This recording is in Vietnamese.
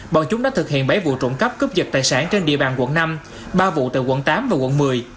bọn chúng đã thực hiện bảy vụ trộm cắp cướp dật tài sản trên địa bàn quận năm ba vụ tại quận tám và quận một mươi